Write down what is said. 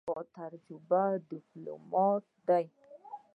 هغه با تجربه ډیپلوماټ دی.